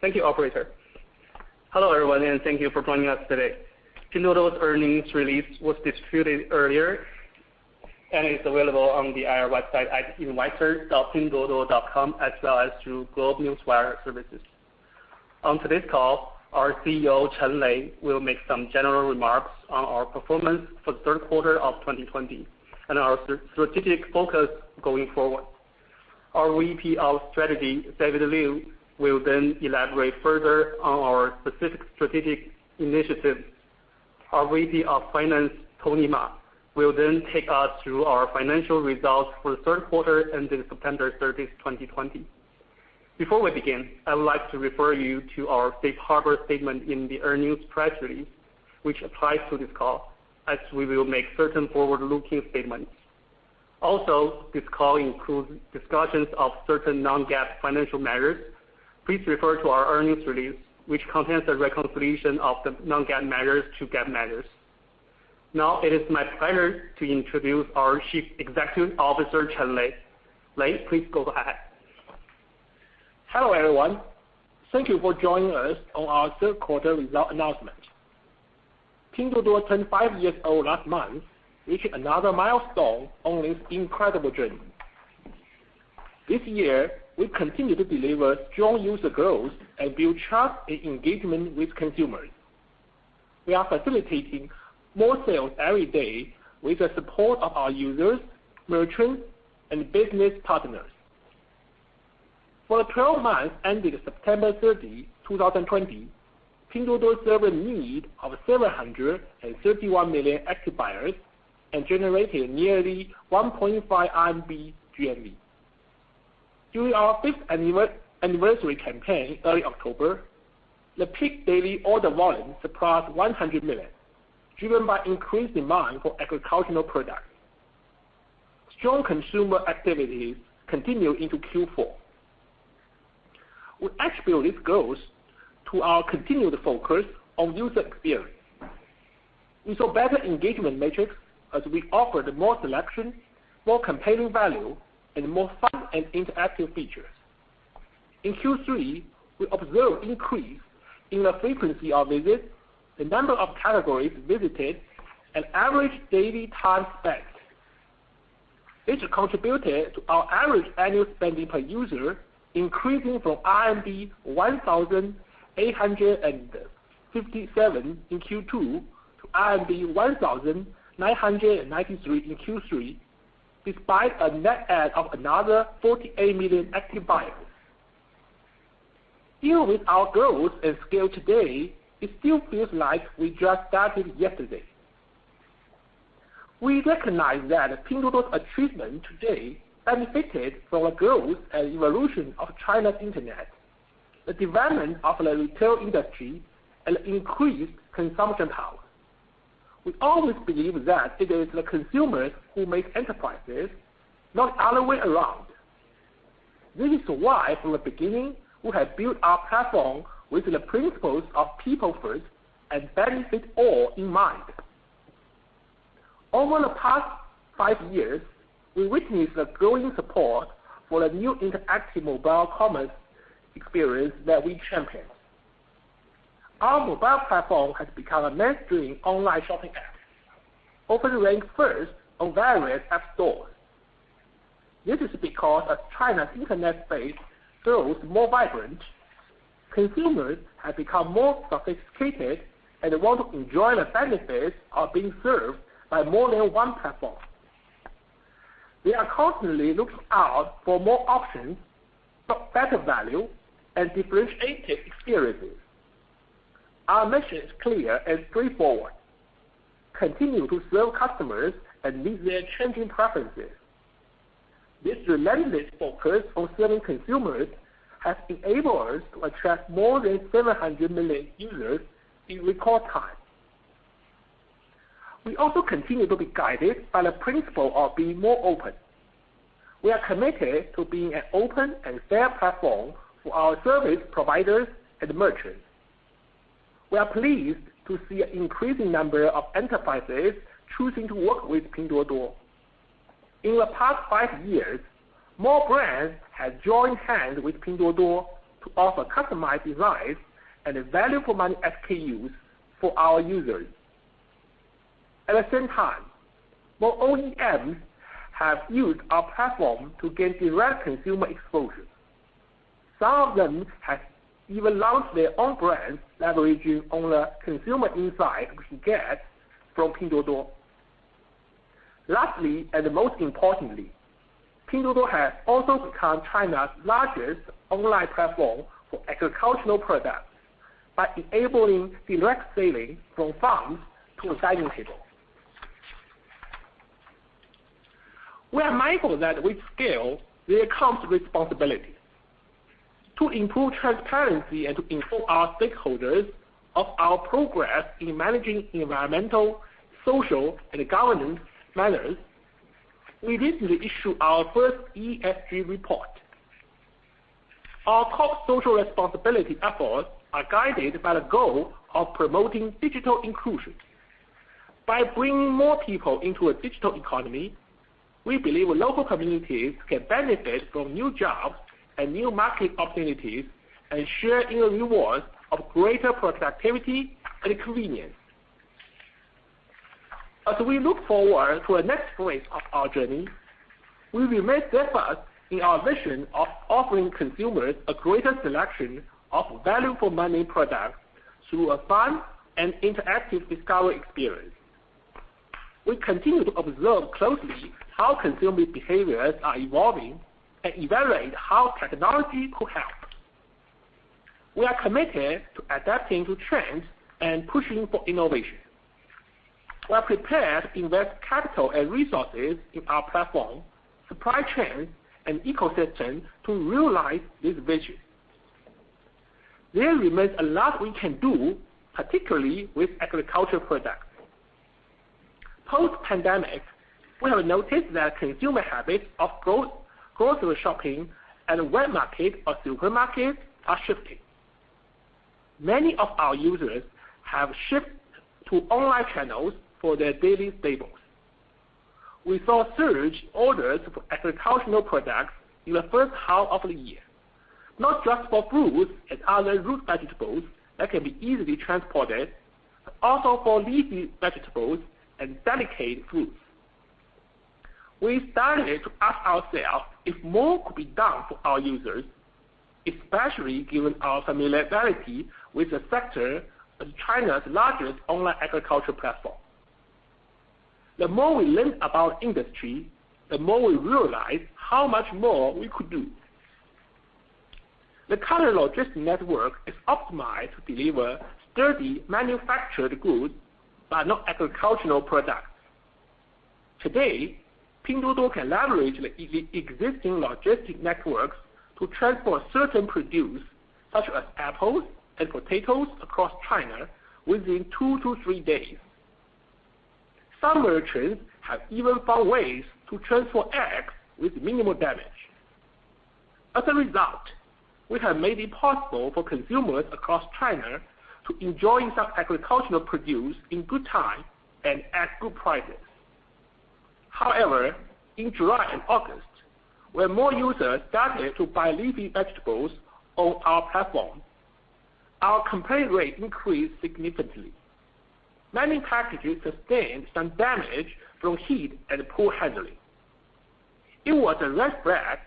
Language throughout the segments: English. Thank you, operator. Hello, everyone, and thank you for joining us today. Pinduoduo's earnings release was distributed earlier, and it's available on the IR website at investor.pinduoduo.com, as well as through GlobeNewswire services. On today's call, our CEO, Chen Lei, will make some general remarks on our performance for the third quarter of 2020 and our strategic focus going forward. Our VP of Strategy, David Liu, will elaborate further on our specific strategic initiatives. Our VP of Finance, Tony Ma, will then take us through our financial results for the third quarter ending September 30, 2020. Before we begin, I would like to refer you to our safe harbor statement in the earnings press release, which applies to this call, as we will make certain forward-looking statements. This call includes discussions of certain non-GAAP financial measures. Please refer to our earnings release, which contains a reconciliation of the non-GAAP measures to GAAP measures. Now, it is my pleasure to introduce our Chief Executive Officer, Chen Lei. Lei, please go ahead. Hello, everyone. Thank you for joining us on our Third Quarter Result Announcement. Pinduoduo turned five years old last month, reaching another milestone on this incredible journey. This year, we continue to deliver strong user growth and build trust and engagement with consumers. We are facilitating more sales every day with the support of our users, merchants, and business partners. For the 12 months ending September 30, 2020, Pinduoduo served a need of 731 million active buyers and generated nearly 1.5 trillion RMB of GMV. During our Fifth Anniversary Campaign early October, the peak daily order volume surpassed 100 million, driven by increased demand for agricultural products. Strong consumer activities continue into Q4. We attribute this growth to our continued focus on user experience. We saw better engagement metrics as we offered more selection, more compelling value, and more fun and interactive features. In Q3, we observed increase in the frequency of visits, the number of categories visited, and average daily time spent, which contributed to our average annual spending per user increasing from RMB 1,857 in Q2 to RMB 1,993 in Q3, despite a net add of another 48 million active buyers. Even with our growth and scale today, it still feels like we just started yesterday. We recognize that Pinduoduo's achievement today benefited from the growth and evolution of China's internet, the development of the retail industry, and increased consumption power. We always believe that it is the consumers who make enterprises, not other way around. This is why, from the beginning, we have built our platform with the principles of people first and benefit all in mind. Over the past five years, we witnessed the growing support for the new interactive mobile commerce experience that we champion. Our mobile platform has become a mainstream online shopping app, often ranked first on various app stores. This is because as China's internet base grows more vibrant, consumers have become more sophisticated and want to enjoy the benefits of being served by more than one platform. They are constantly looking out for more options, better value, and differentiated experiences. Our mission is clear and straightforward: continue to serve customers and meet their changing preferences. This relentless focus on serving consumers has enabled us to attract more than 700 million users in record time. We also continue to be guided by the principle of being more open. We are committed to being an open and fair platform for our service providers and merchants. We are pleased to see an increasing number of enterprises choosing to work with Pinduoduo. In the past five years, more brands have joined hands with Pinduoduo to offer customized designs and value-for-money SKUs for our users. At the same time, more OEMs have used our platform to gain direct consumer exposure. Some of them have even launched their own brands leveraging on the consumer insight we can get from Pinduoduo. Lastly, most importantly, Pinduoduo has also become China's largest online platform for agricultural products by enabling direct selling from farms to the dining table. We are mindful that with scale, there comes responsibility. To improve transparency and to inform our stakeholders of our progress in managing environmental, social, and governance matters, we recently issued our first ESG report. Our top social responsibility efforts are guided by the goal of promoting digital inclusion. By bringing more people into a digital economy, we believe local communities can benefit from new jobs and new market opportunities, and share in the rewards of greater productivity and convenience. As we look forward to the next phase of our journey, we will make efforts in our vision of offering consumers a greater selection of value-for-money products through a fun and interactive discovery experience. We continue to observe closely how consumer behaviors are evolving and evaluate how technology could help. We are committed to adapting to trends and pushing for innovation. We are prepared to invest capital and resources in our platform, supply chains, and ecosystem to realize this vision. There remains a lot we can do, particularly with agricultural products. Post-pandemic, we have noticed that consumer habits of grocery shopping in wet markets or supermarkets are shifting. Many of our users have shifted to online channels for their daily staples. We saw a surge in orders for agricultural products in the first half of the year, not just for fruits and other root vegetables that can be easily transported, but also for leafy vegetables and delicate fruits. We started to ask ourselves if more could be done for our users, especially given our familiarity with the sector as China's largest online agricultural platform. The more we learned about industry, the more we realized how much more we could do. The current logistic network is optimized to deliver sturdy manufactured goods, but not agricultural products. Today, Pinduoduo can leverage the existing logistic networks to transport certain produce, such as apples and potatoes, across China within two to three days. Some merchants have even found ways to transport eggs with minimal damage. We have made it possible for consumers across China to enjoy some agricultural produce in good time and at good prices. However, in July and August, when more users started to buy leafy vegetables on our platform, our complaint rate increased significantly. Many packages sustained some damage from heat and poor handling. It was a red flag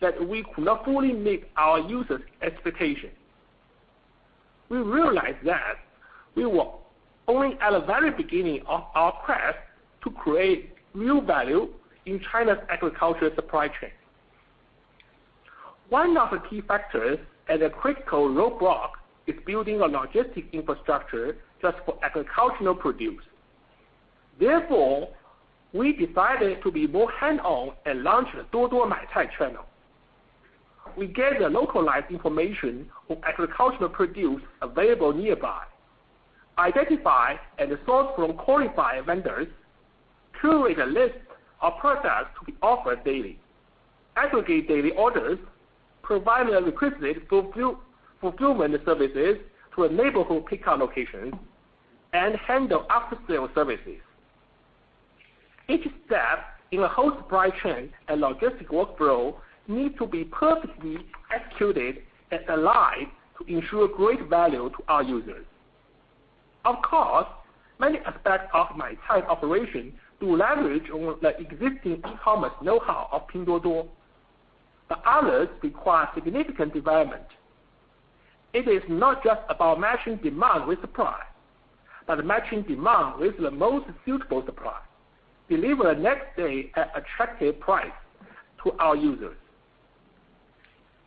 that we could not fully meet our users' expectations. We realized that we were only at the very beginning of our quest to create new value in China's agricultural supply chain. One of the key factors and a critical roadblock is building a logistic infrastructure just for agricultural produce. We decided to be more hands-on and launched the Duoduo Maicai channel. We gather localized information of agricultural produce available nearby, identify and source from qualified vendors, curate a list of products to be offered daily, aggregate daily orders, provide the requisite fulfillment services to a neighborhood pickup location, and handle after-sale services. Each step in the whole supply chain and logistic workflow need to be perfectly executed and aligned to ensure great value to our users. Of course, many aspects of Maicai operation do leverage on the existing e-commerce know-how of Pinduoduo, but others require significant development. It is not just about matching demand with supply, but matching demand with the most suitable supply, delivered next day at attractive price to our users.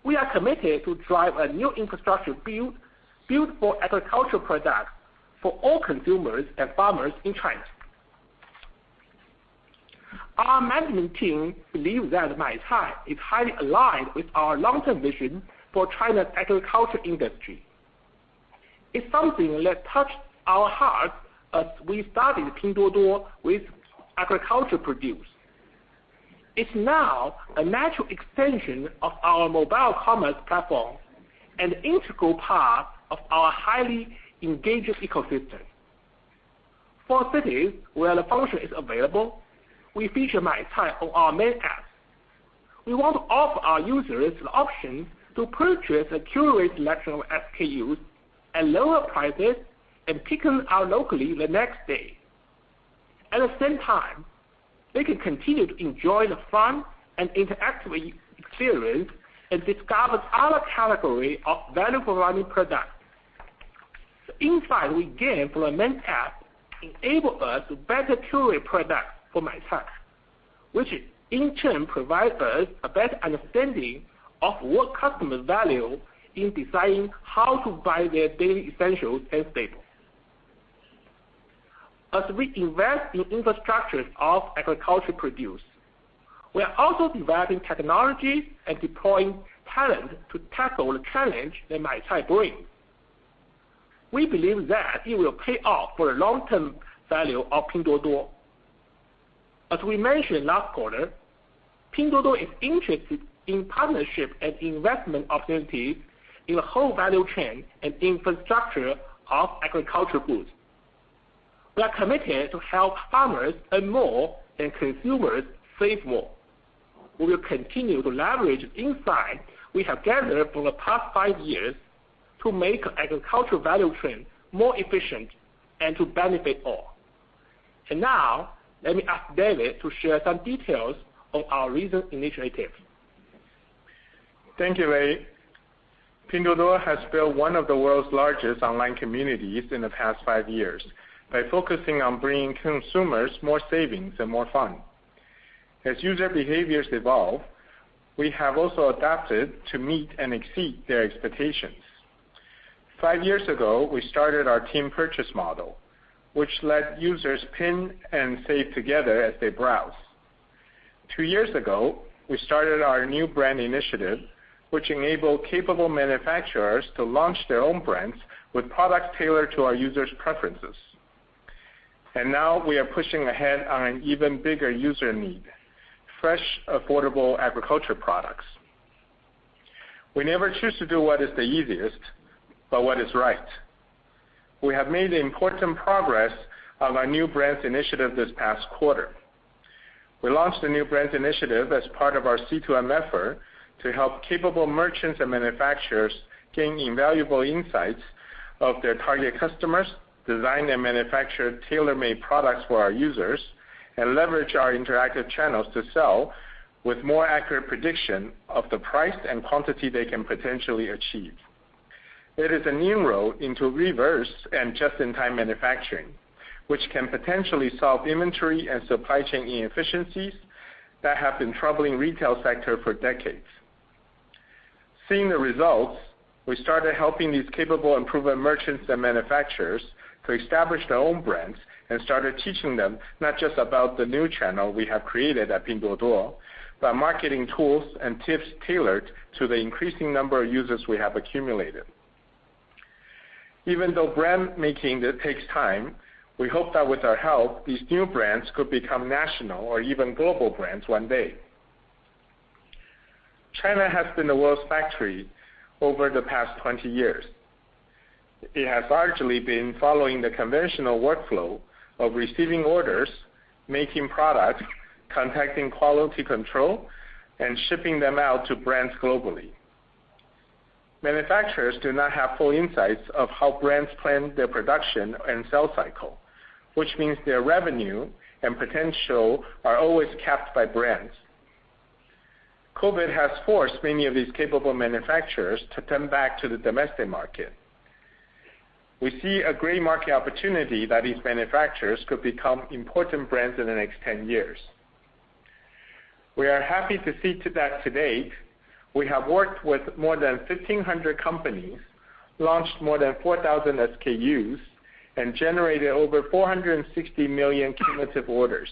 We are committed to drive a new infrastructure built for agricultural products for all consumers and farmers in China. Our management team believes that Maicai is highly aligned with our long-term vision for China's agriculture industry. It's something that touched our hearts as we started Pinduoduo with agricultural produce. It's now a natural extension of our mobile commerce platform, an integral part of our highly engaging ecosystem. For cities where the function is available, we feature Maicai on our main app. We want to offer our users the option to purchase a curated selection of SKUs at lower prices, and pick them out locally the next day. At the same time, they can continue to enjoy the fun and interactive experience, and discover other category of value-for-money products. The insight we gain from the main app enable us to better curate products for Maicai, which in turn provides us a better understanding of what customers value in deciding how to buy their daily essentials and staples. As we invest in infrastructures of agricultural produce, we are also developing technologies and deploying talent to tackle the challenge that Maicai brings. We believe that it will pay off for the long-term value of Pinduoduo. As we mentioned last quarter, Pinduoduo is interested in partnership and investment opportunities in the whole value chain and infrastructure of agricultural goods. We are committed to help farmers earn more and consumers save more. We will continue to leverage insight we have gathered for the past five years to make agricultural value chain more efficient and to benefit all. Let me ask David to share some details on our recent initiative. Thank you, Lei. Pinduoduo has built one of the world's largest online communities in the past 5 years by focusing on bringing consumers more savings and more fun. As user behaviors evolve, we have also adapted to meet and exceed their expectations. five years ago, we started our team purchase model, which let users pin and save together as they browse. Two years ago, we started our New Brand Initiative, which enabled capable manufacturers to launch their own brands with products tailored to our users' preferences. Now we are pushing ahead on an even bigger user need, fresh, affordable agricultural products. We never choose to do what is the easiest, but what is right. We have made important progress on our New Brand Initiative this past quarter. We launched the New Brand Initiative as part of our C2M effort to help capable merchants and manufacturers gain invaluable insights of their target customers, design and manufacture tailor-made products for our users, and leverage our interactive channels to sell with more accurate prediction of the price and quantity they can potentially achieve. It is a new road into reverse and just-in-time manufacturing, which can potentially solve inventory and supply chain inefficiencies that have been troubling retail sector for decades. Seeing the results, we started helping these capable and proven merchants and manufacturers to establish their own brands and started teaching them not just about the new channel we have created at Pinduoduo, but marketing tools and tips tailored to the increasing number of users we have accumulated. Even though brand-making takes time, we hope that with our help, these new brands could become national or even global brands one day. China has been the world's factory over the past 20 years. It has largely been following the conventional workflow of receiving orders, making products, contacting quality control, and shipping them out to brands globally. Manufacturers do not have full insights of how brands plan their production and sell cycle, which means their revenue and potential are always capped by brands. COVID has forced many of these capable manufacturers to turn back to the domestic market. We see a great market opportunity that these manufacturers could become important brands in the next 10 years. We are happy to see to that to date, we have worked with more than 1,500 companies, launched more than 4,000 SKUs, and generated over 460 million cumulative orders.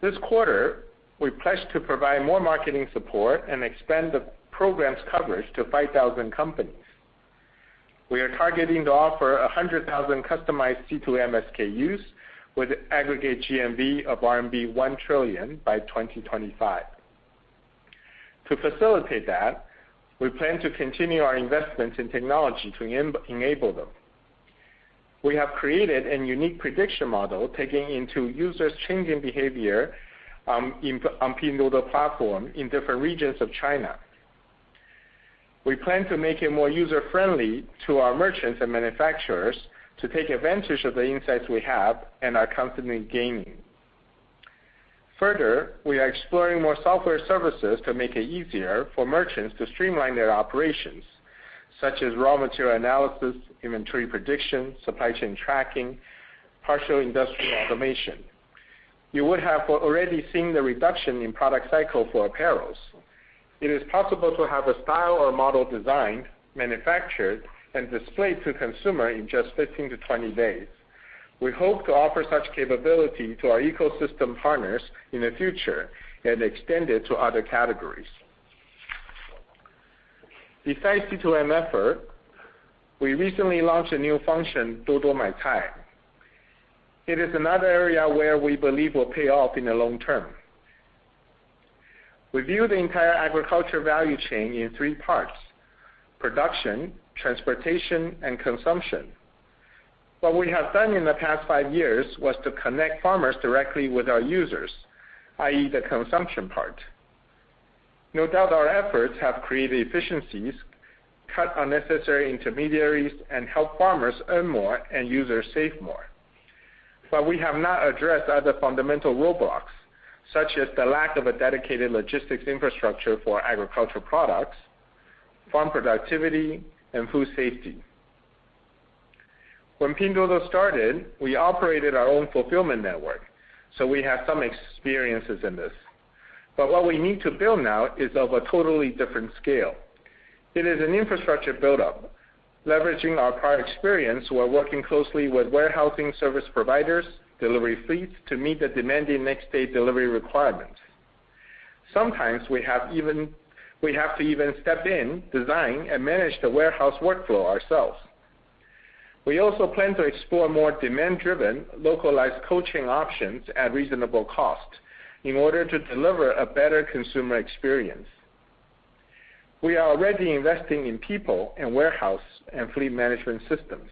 This quarter, we pledged to provide more marketing support and expand the program's coverage to 5,000 companies. We are targeting to offer 100,000 customized C2M SKUs with aggregate GMV of RMB 1 trillion by 2025. To facilitate that, we plan to continue our investments in technology to enable them. We have created a unique prediction model taking into users' changing behavior, in, on Pinduoduo platform in different regions of China. We plan to make it more user-friendly to our merchants and manufacturers to take advantage of the insights we have and are constantly gaining. Further, we are exploring more software services to make it easier for merchants to streamline their operations, such as raw material analysis, inventory prediction, supply chain tracking, partial industrial automation. You would have already seen the reduction in product cycle for apparels. It is possible to have a style or model designed, manufactured, and displayed to consumer in just 15 to 20 days. We hope to offer such capability to our ecosystem partners in the future and extend it to other categories. Besides C2M effort, we recently launched a new function, Duo Duo Maicai. It is another area where we believe will pay off in the long term. We view the entire agriculture value chain in three parts: production, transportation, and consumption. What we have done in the past five years was to connect farmers directly with our users, i.e., the consumption part. No doubt our efforts have created efficiencies, cut unnecessary intermediaries, and helped farmers earn more and users save more. We have not addressed other fundamental roadblocks, such as the lack of a dedicated logistics infrastructure for agricultural products, farm productivity, and food safety. When Pinduoduo started, we operated our own fulfillment network, so we have some experiences in this. What we need to build now is of a totally different scale. It is an infrastructure build-up. Leveraging our prior experience, we are working closely with warehousing service providers, delivery fleets to meet the demanding next-day delivery requirements. Sometimes we have to even step in, design, and manage the warehouse workflow ourselves. We also plan to explore more demand-driven, localized cold chain options at reasonable cost in order to deliver a better consumer experience. We are already investing in people and warehouse and fleet management systems.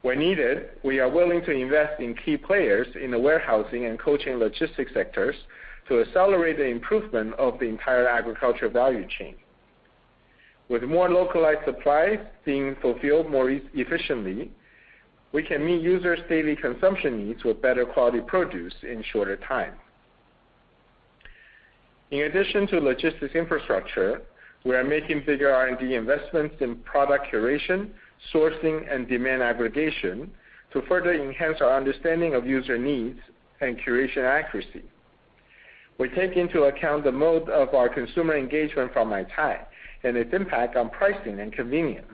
When needed, we are willing to invest in key players in the warehousing and cold chain logistics sectors to accelerate the improvement of the entire agriculture value chain. With more localized supplies being fulfilled more efficiently, we can meet users' daily consumption needs with better quality produce in shorter time. In addition to logistics infrastructure, we are making bigger R&D investments in product curation, sourcing, and demand aggregation to further enhance our understanding of user needs and curation accuracy. We take into account the mode of our consumer engagement from Maicai and its impact on pricing and convenience.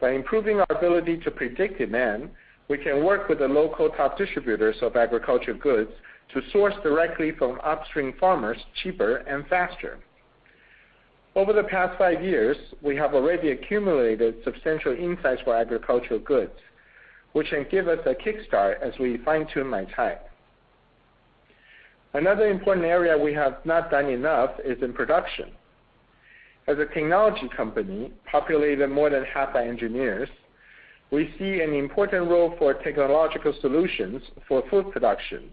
By improving our ability to predict demand, we can work with the local top distributors of agriculture goods to source directly from upstream farmers cheaper and faster. Over the past five years, we have already accumulated substantial insights for agricultural goods, which can give us a kickstart as we fine-tune Maicai. Another important area we have not done enough is in production. As a technology company populated more than half by engineers, we see an important role for technological solutions for food production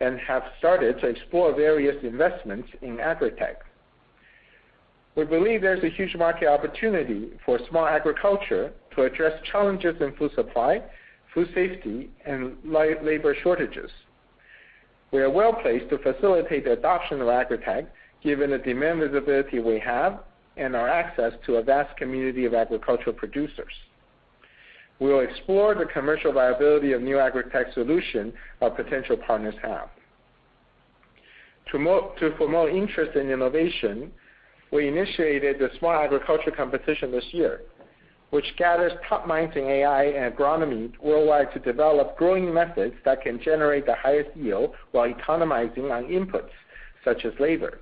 and have started to explore various investments in AgriTech. We believe there's a huge market opportunity for small agriculture to address challenges in food supply, food safety, and labor shortages. We are well-placed to facilitate the adoption of AgriTech, given the demand visibility we have and our access to a vast community of agricultural producers. We will explore the commercial viability of new AgriTech solution our potential partners have. To promote interest in innovation, we initiated the Smart Agriculture Competition this year, which gathers top minds in AI and agronomy worldwide to develop growing methods that can generate the highest yield while economizing on inputs such as labor.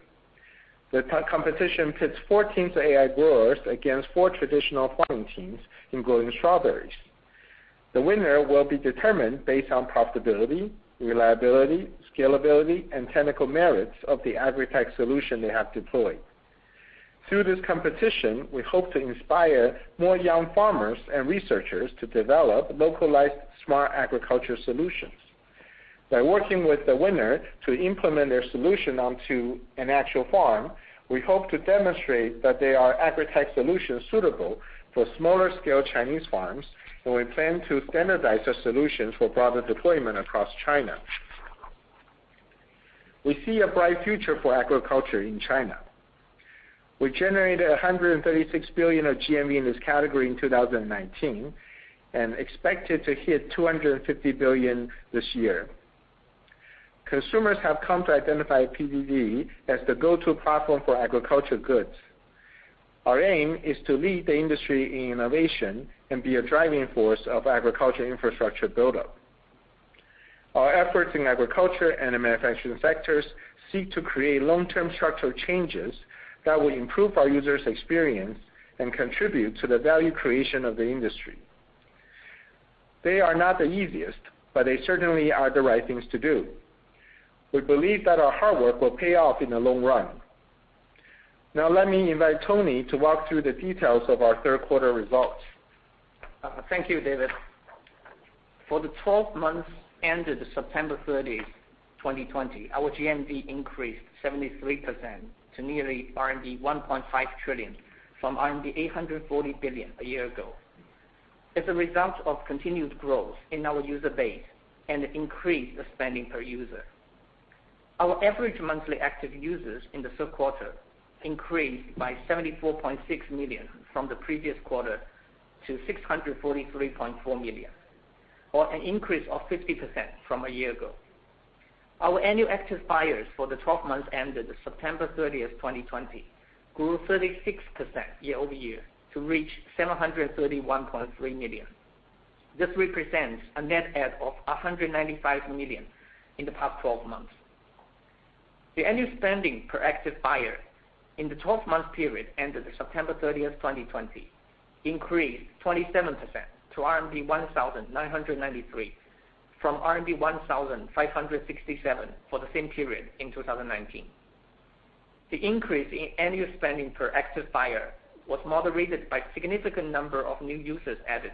The competition pits four teams of AI growers against four traditional farming teams in growing strawberries. The winner will be determined based on profitability, reliability, scalability, and technical merits of the AgriTech solution they have deployed. Through this competition, we hope to inspire more young farmers and researchers to develop localized smart agriculture solutions. By working with the winner to implement their solution onto an actual farm, we hope to demonstrate that they are AgriTech solutions suitable for smaller-scale Chinese farms, and we plan to standardize the solutions for broader deployment across China. We see a bright future for agriculture in China. We generated 136 billion of GMV in this category in 2019, and expected to hit 250 billion this year. Consumers have come to identify PDD as the go-to platform for agriculture goods. Our aim is to lead the industry in innovation and be a driving force of agriculture infrastructure buildup. Our efforts in agriculture and the manufacturing sectors seek to create long-term structural changes that will improve our users' experience and contribute to the value creation of the industry. They are not the easiest, but they certainly are the right things to do. We believe that our hard work will pay off in the long run. Now let me invite Tony to walk through the details of our third quarter results. Thank you, David. For the 12 months ended September 30, 2020, our GMV increased 73% to nearly 1.5 trillion, from 840 billion a year ago, as a result of continued growth in our user base and increased spending per user. Our average monthly active users in the third quarter increased by 74.6 million from the previous quarter to 643.4 million, or an increase of 50% from a year ago. Our annual active buyers for the 12 months ended September 30, 2020, grew 36% year-over-year to reach 731.3 million. This represents a net add of 195 million in the past 12 months. The annual spending per active buyer in the 12-month period ended September 30th, 2020, increased 27% to RMB 1,993, from RMB 1,567 for the same period in 2019. The increase in annual spending per active buyer was moderated by significant number of new users added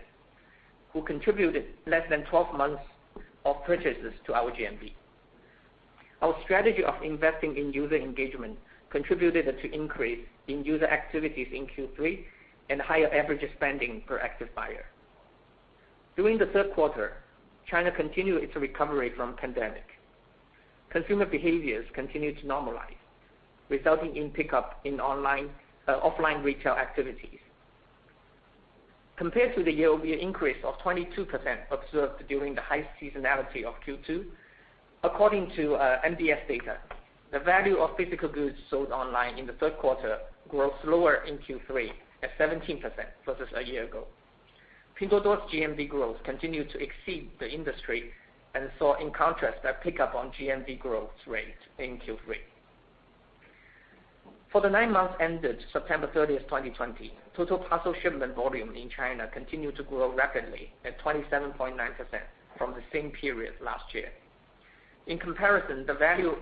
who contributed less than 12 months of purchases to our GMV. Our strategy of investing in user engagement contributed to increase in user activities in Q3 and higher average spending per active buyer. During the third quarter, China continued its recovery from COVID-19. Consumer behaviors continued to normalize, resulting in pickup in offline retail activities. Compared to the year-over-year increase of 22% observed during the high seasonality of Q2, according to NBS data, the value of physical goods sold online in the third quarter grew slower in Q3 at 17% versus a year ago. Pinduoduo's GMV growth continued to exceed the industry and saw, in contrast, a pickup on GMV growth rate in Q3. For the nine months ended September 30, 2020, total parcel shipment volume in China continued to grow rapidly at 27.9% from the same period last year. In comparison, the value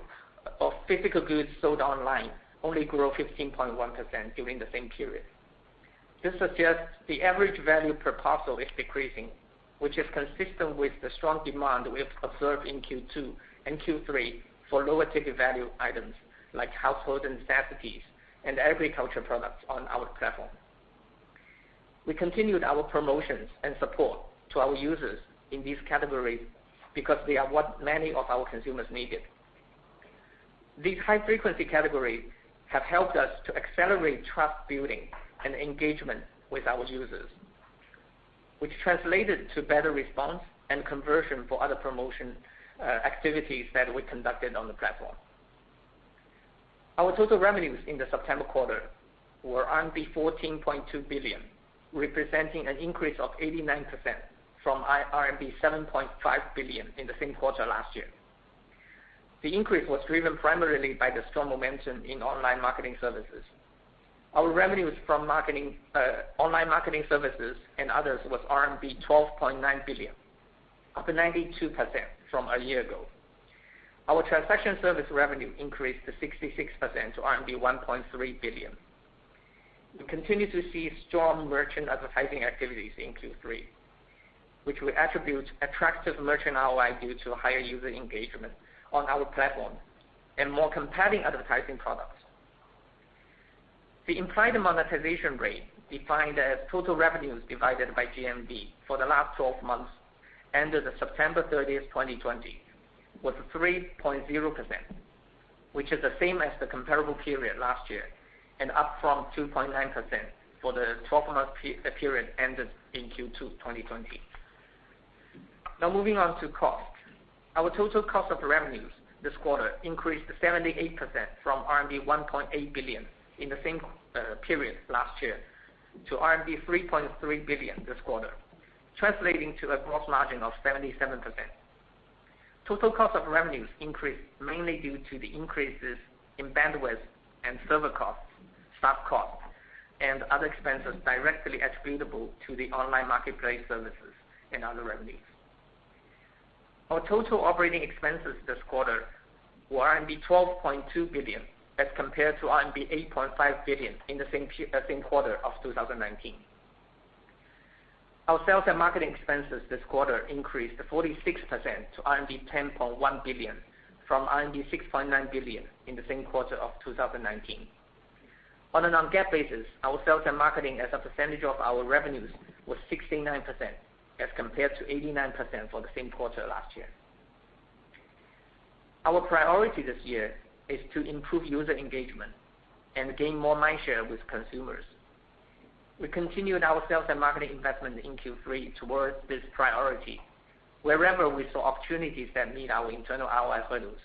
of physical goods sold online only grew 15.1% during the same period. This suggests the average value per parcel is decreasing, which is consistent with the strong demand we have observed in Q2 and Q3 for lower ticket value items like household necessities and agriculture products on our platform. We continued our promotions and support to our users in these categories because they are what many of our consumers needed. These high-frequency categories have helped us to accelerate trust building and engagement with our users, which translated to better response and conversion for other promotion activities that we conducted on the platform. Our total revenues in the September quarter were RMB 14.2 billion, representing an increase of 89% from RMB 7.5 billion in the same quarter last year. The increase was driven primarily by the strong momentum in online marketing services. Our revenues from online marketing services and others was RMB 12.9 billion, up 92% from a year ago. Our transaction service revenue increased to 66% to RMB 1.3 billion. We continue to see strong merchant advertising activities in Q3, which we attribute attractive merchant ROI due to higher user engagement on our platform and more compelling advertising products. The implied monetization rate defined as total revenues divided by GMV for the last 12 months ended September 30, 2020, was 3.0%, which is the same as the comparable period last year and up from 2.9% for the 12-month period ended in Q2 2020. Moving on to cost. Our total cost of revenues this quarter increased 78% from RMB 1.8 billion in the same period last year to RMB 3.3 billion this quarter, translating to a gross margin of 77%. Total cost of revenues increased mainly due to the increases in bandwidth and server costs, staff costs, and other expenses directly attributable to the online marketplace services and other revenues. Our total operating expenses this quarter were RMB 12.2 billion as compared to RMB 8.5 billion in the same quarter of 2019. Our sales and marketing expenses this quarter increased 46% to RMB 10.1 billion from RMB 6.9 billion in the same quarter of 2019. On a non-GAAP basis, our sales and marketing as a percentage of our revenues was 69% as compared to 89% for the same quarter last year. Our priority this year is to improve user engagement and gain more mind share with consumers. We continued our sales and marketing investment in Q3 towards this priority wherever we saw opportunities that meet our internal ROI hurdles.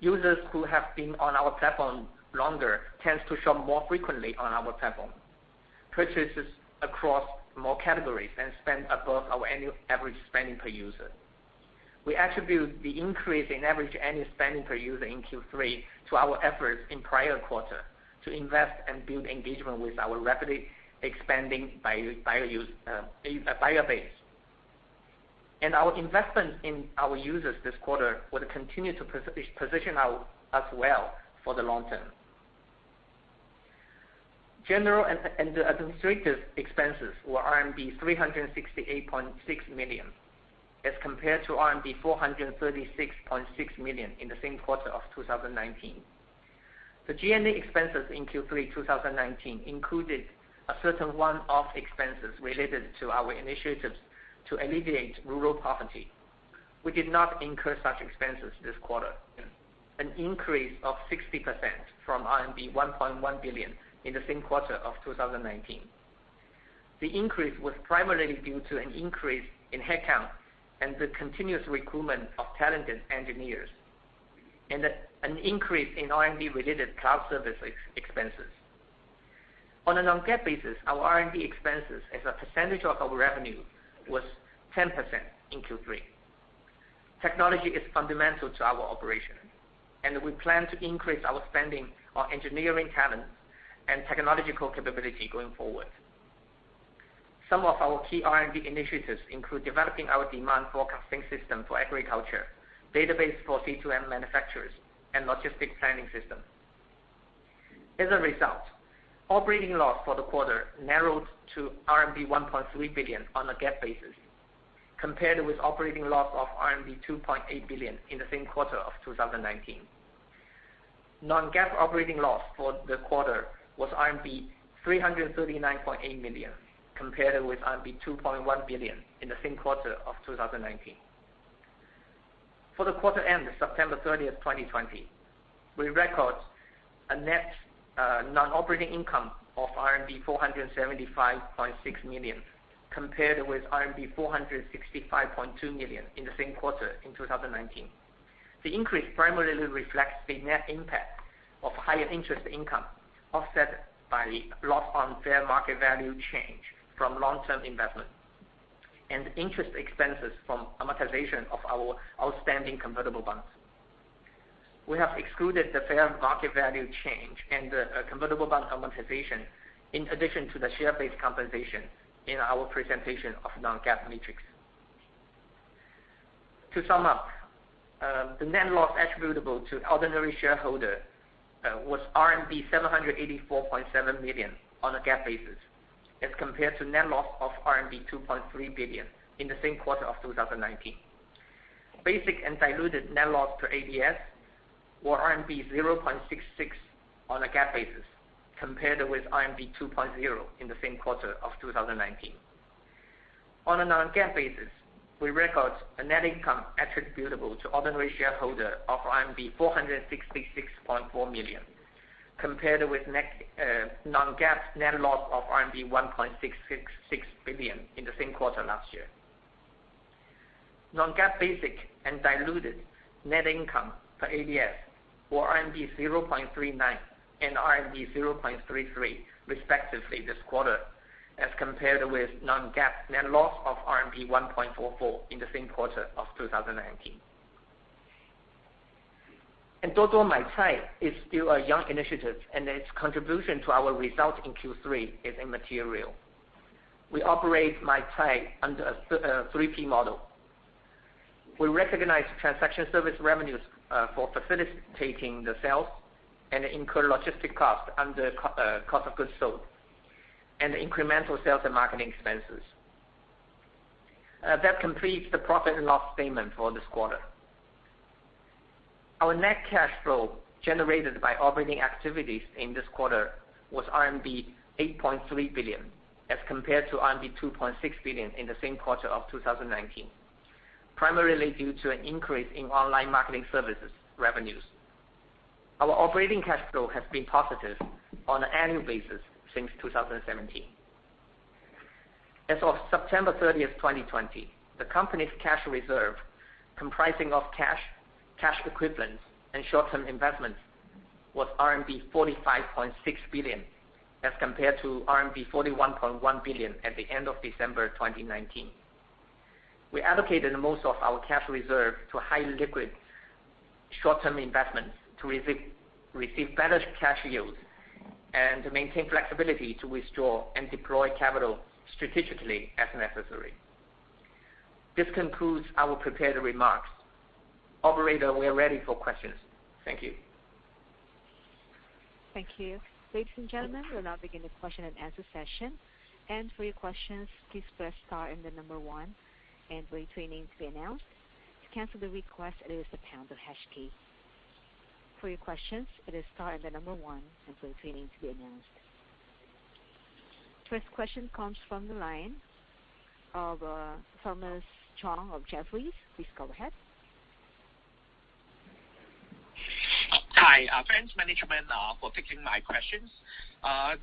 Users who have been on our platform longer tends to shop more frequently on our platform, purchases across more categories and spend above our annual average spending per user. We attribute the increase in average annual spending per user in Q3 to our efforts in prior quarter to invest and build engagement with our rapidly expanding buyer base. Our investment in our users this quarter will continue to position us well for the long term. General and administrative expenses were RMB 368.6 million as compared to RMB 436.6 million in the same quarter of 2019. The G&A expenses in Q3 2019 included a certain one-off expenses related to our initiatives to alleviate rural poverty. We did not incur such expenses this quarter. An increase of 60% from RMB 1.1 billion in the same quarter of 2019. The increase was primarily due to an increase in headcount and the continuous recruitment of talented engineers and an increase in R&D-related cloud service expenses. On a non-GAAP basis, our R&D expenses as a percentage of our revenue was 10% in Q3. Technology is fundamental to our operation. We plan to increase our spending on engineering talent and technological capability going forward. Some of our key R&D initiatives include developing our demand forecasting system for agriculture, database for C2M manufacturers, and logistic planning system. As a result, operating loss for the quarter narrowed to RMB 1.3 billion on a GAAP basis, compared with operating loss of RMB 2.8 billion in the same quarter of 2019. Non-GAAP operating loss for the quarter was RMB 339.8 million, compared with RMB 2.1 billion in the same quarter of 2019. For the quarter end, September 30, 2020, we record a net non-operating income of RMB 475.6 million, compared with RMB 465.2 million in the same quarter in 2019. The increase primarily reflects the net impact of higher interest income, offset by loss on fair market value change from long-term investment and interest expenses from amortization of our outstanding convertible bonds. We have excluded the fair market value change and the convertible bond amortization in addition to the share-based compensation in our presentation of non-GAAP metrics. To sum up, the net loss attributable to ordinary shareholder was RMB 784.7 million on a GAAP basis as compared to net loss of RMB 2.3 billion in the same quarter of 2019. Basic and diluted net loss per ADS were RMB 0.66 on a GAAP basis compared with RMB 2.0 in the same quarter of 2019. On a non-GAAP basis, we record a net income attributable to ordinary shareholder of RMB 466.4 million, compared with net non-GAAP net loss of RMB 1.666 billion in the same quarter last year. Non-GAAP basic and diluted net income per ADS were RMB 0.39 and RMB 0.33 respectively this quarter as compared with non-GAAP net loss of RMB 1.44 in the same quarter of 2019. Duo Duo Maicai is still a young initiative, and its contribution to our results in Q3 is immaterial. We operate Maicai under a 3P model. We recognize transaction service revenues for facilitating the sales and incur logistic costs under cost of goods sold and the incremental sales and marketing expenses. That completes the profit and loss statement for this quarter. Our net cash flow generated by operating activities in this quarter was RMB 8.3 billion as compared to RMB 2.6 billion in the same quarter of 2019, primarily due to an increase in online marketing services revenues. Our operating cash flow has been positive on an annual basis since 2017. As of September 30, 2020, the company's cash reserve comprising of cash equivalents, and short-term investments was RMB 45.6 billion as compared to RMB 41.1 billion at the end of December 2019. We allocated most of our cash reserve to high liquid short-term investments to receive better cash yields and to maintain flexibility to withdraw and deploy capital strategically as necessary. This concludes our prepared remarks. Operator, we are ready for questions. Thank you. Thank you. Ladies and gentlemen, we'll now begin the question and answer session. For your questions, please press star and the number one, and wait for your name to be announced. To cancel the request, it is the pound or hash key. For your questions, it is star and the number one, and for your name to be announced. First question comes from the line of Thomas Chong of Jefferies. Please go ahead. Hi, thanks management, for taking my questions.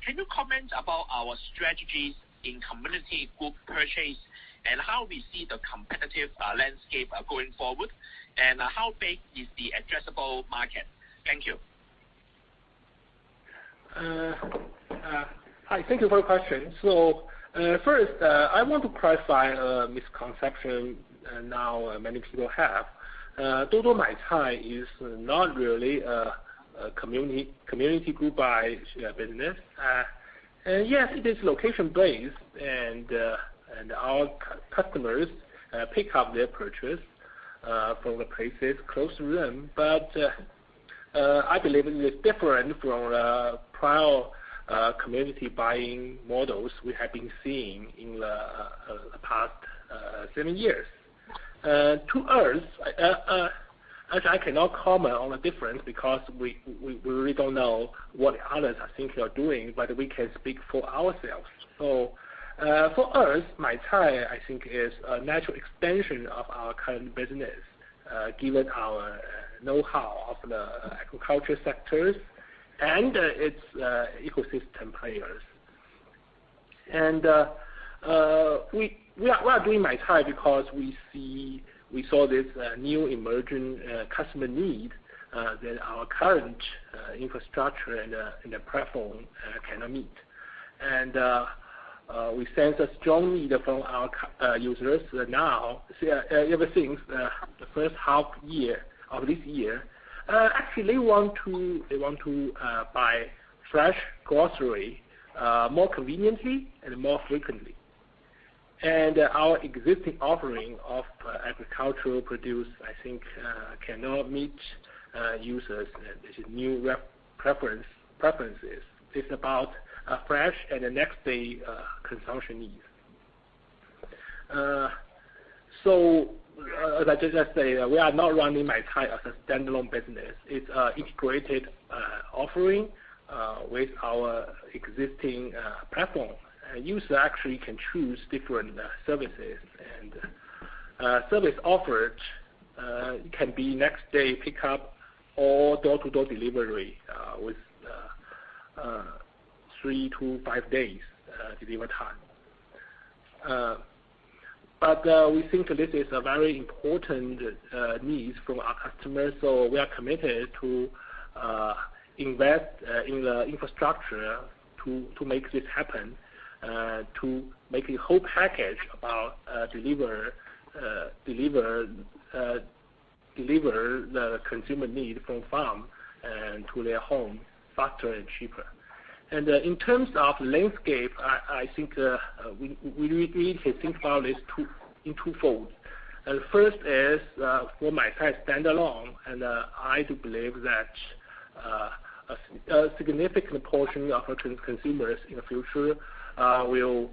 Can you comment about our strategies in community group purchase and how we see the competitive landscape going forward? How big is the addressable market? Thank you. Hi. Thank you for your question. First, I want to clarify a misconception now many people have. Duo Duo Maicai is not really a community group buy business. Yes, it is location-based, and our customers pick up their purchase from the places close to them. I believe it is different from the prior community buying models we have been seeing in the past seven years. To us, actually, I cannot comment on the difference because we really don't know what others are think they are doing, but we can speak for ourselves. For us, Maicai, I think is a natural extension of our current business, given our know-how of the agriculture sectors and its ecosystem players. We are doing Maicai because we see we saw this new emerging customer need that our current infrastructure and the platform cannot meet. We sense a strong need from our users now, ever since the first half year of this year. Actually, they want to buy fresh grocery more conveniently and more frequently. Our existing offering of agricultural produce, I think, cannot meet users' this new preferences. It's about fresh and the next day consumption needs. As I just say, we are not running Maicai as a standalone business. It's a integrated offering with our existing platform. User actually can choose different services. Service offered can be next day pickup or door-to-door delivery with three to five days delivery time. We think this is a very important need from our customers, so we are committed to invest in the infrastructure to make this happen, to make a whole package about deliver the consumer need from farm and to their home faster and cheaper. In terms of landscape, I think we need to think about this in twofolds. First is for Maicai standalone, I do believe that a significant portion of our consumers in the future will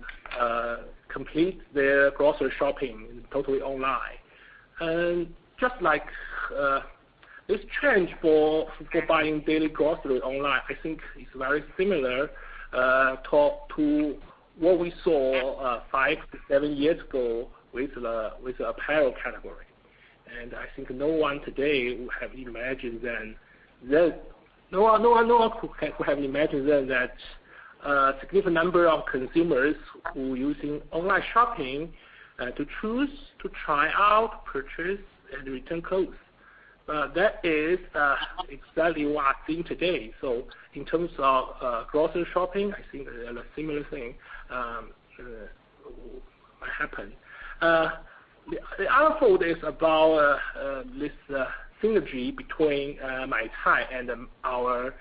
complete their grocery shopping totally online. Just like this change for buying daily grocery online, I think it's very similar to what we saw 5-7 years ago with the apparel category. I think no one today would have imagined then that no one could have imagined then that a significant number of consumers who are using online shopping to choose, to try out, purchase and return clothes. That is exactly what I've seen today. In terms of grocery shopping, I think a similar thing will happen. The other fold is about this synergy between Maicai and our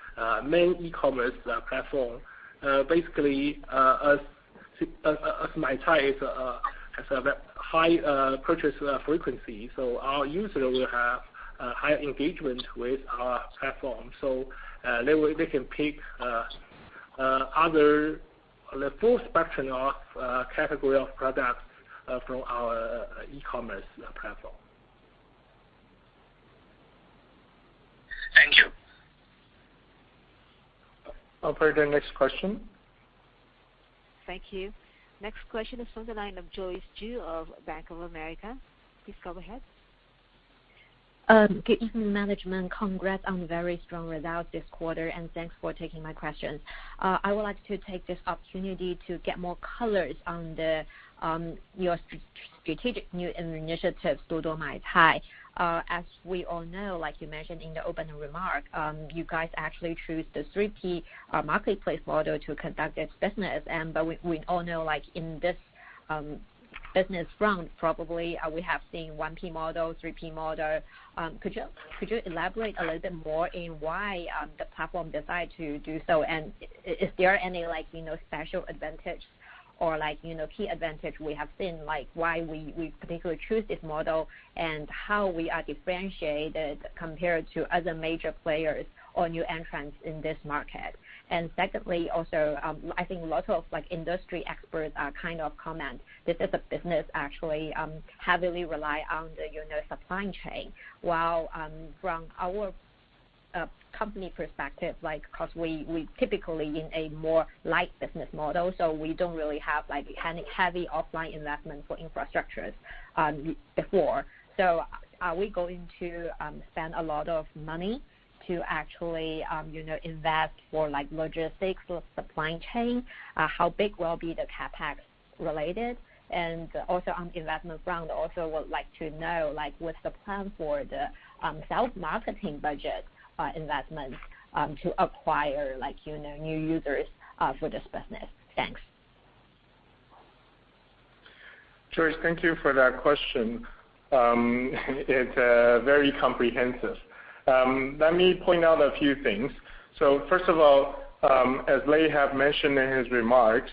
main e-commerce platform. Basically, as Maicai is, has a high purchase frequency, our user will have a high engagement with our platform. They can pick other the full spectrum of category of products from our e-commerce platform. Thank you. Operator, next question. Thank you. Next question is from the line of Joyce Ju of Bank of America. Please go ahead. Good evening, management. Congrats on very strong results this quarter, and thanks for taking my questions. I would like to take this opportunity to get more colors on your strategic new initiatives, Duo Duo Maicai. As we all know, like you mentioned in the opening remark, you guys actually choose the 3P marketplace model to conduct its business. But we all know, like, in this business front, probably, we have seen 1P model, 3P model. Could you elaborate a little bit more in why the platform decide to do so? Is there any, like, you know, special advantage or, like, you know, key advantage we have seen, like, why we particularly choose this model and how we are differentiated compared to other major players or new entrants in this market? Secondly, also, I think a lot of, like, industry experts, kind of comment this is a business actually, heavily rely on the, you know, supply chain. From our company perspective, like, 'cause we typically in a more light business model, so we don't really have, like, any heavy offline investment for infrastructures before. Are we going to spend a lot of money to actually, you know, invest for, like, logistics or supply chain? How big will be the CapEx related? Also on investment front, also would like to know, like, what's the plan for the self-marketing budget investments to acquire, like, you know, new users for this business? Thanks. Joyce, thank you for that question. It's very comprehensive. Let me point out a few things. First of all, as Lei have mentioned in his remarks,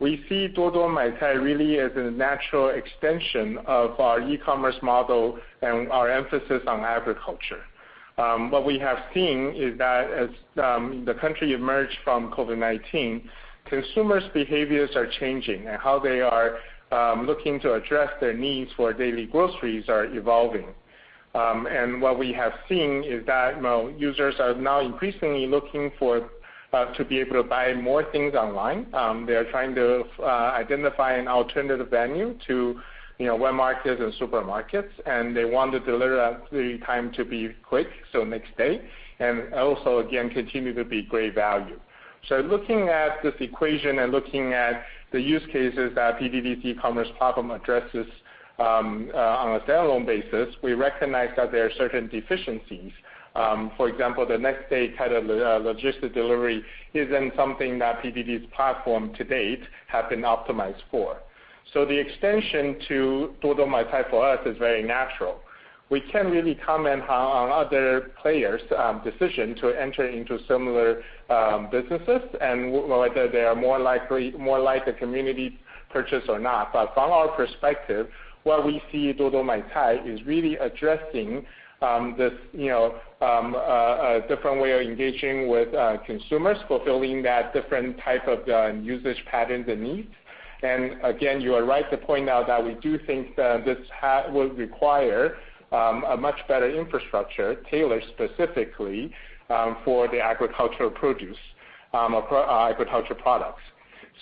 we see Duo Duo Maicai really as a natural extension of our e-commerce model and our emphasis on agriculture. What we have seen is that as the country emerged from COVID-19, consumers' behaviors are changing, and how they are looking to address their needs for daily groceries are evolving. What we have seen is that, well, users are now increasingly looking for to be able to buy more things online. They are trying to identify an alternative venue to, you know, wet markets and supermarkets, and they want the delivery time to be quick, so next day, and also, again, continue to be great value. Looking at this equation and looking at the use cases that PDD's e-commerce platform addresses, on a standalone basis, we recognize that there are certain deficiencies. For example, the next-day kind of logistic delivery isn't something that PDD's platform to date have been optimized for. The extension to Duo Duo Maicai for us is very natural. We can't really comment on other players' decision to enter into similar businesses and whether they are more likely, more like a community purchase or not. From our perspective, what we see Duo Duo Maicai is really addressing, this, you know, a different way of engaging with consumers, fulfilling that different type of usage patterns and needs. Again, you are right to point out that we do think that this will require a much better infrastructure tailored specifically for the agricultural produce. Our agriculture products.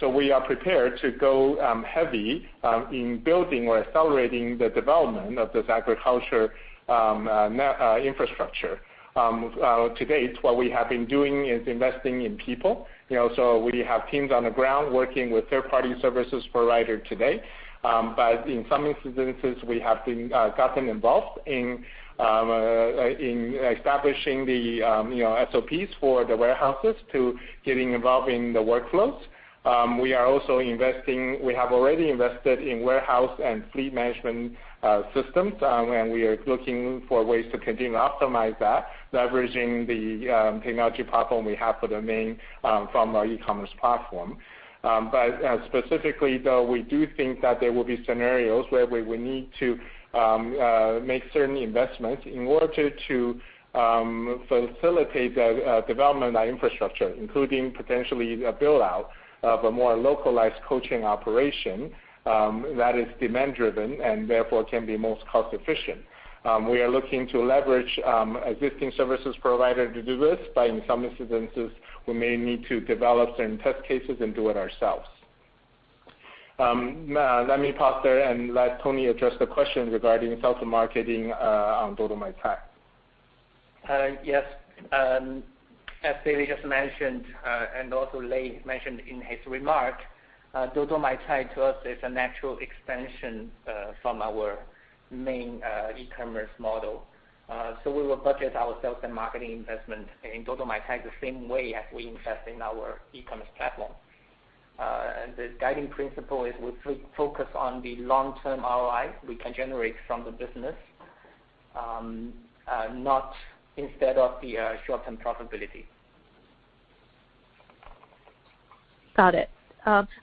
We are prepared to go heavy in building or accelerating the development of this agriculture infrastructure. To date, what we have been doing is investing in people, you know, we have teams on the ground working with third-party services provider today. In some instances, we have gotten involved in establishing the, you know, SOPs for the warehouses to getting involved in the workflows. We have already invested in warehouse and fleet management systems, and we are looking for ways to continue to optimize that, leveraging the technology platform we have for the main from our e-commerce platform. Specifically, though, we do think that there will be scenarios where we need to make certain investments in order to facilitate the development of our infrastructure, including potentially a build-out of a more localized cold chain operation that is demand-driven and therefore can be most cost-efficient. We are looking to leverage existing services provider to do this, but in some instances, we may need to develop certain test cases and do it ourselves. Let me pause there and let Tony Ma address the question regarding sales and marketing on Duo Duo Maicai. Yes. As David just mentioned, and also Lei mentioned in his remark, Duo Duo Maicai to us is a natural extension from our main e-commerce model. We will budget our sales and marketing investment in Duo Duo Maicai the same way as we invest in our e-commerce platform. The guiding principle is we focus on the long-term ROI we can generate from the business, not instead of the short-term profitability. Got it.